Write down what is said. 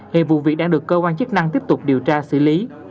hiện vụ việc đang được cơ quan chức năng tiếp tục điều tra xử lý